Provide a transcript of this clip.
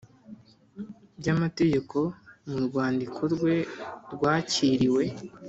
By amategeko mu rwandiko rwe rwakiriwe